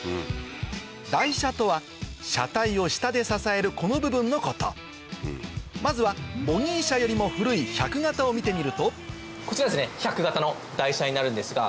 台車とは車体を下で支えるこの部分のことまずはボギー車よりも古い１００形を見てみるとこちら１００形の台車になるんですが。